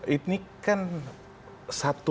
ini kan satu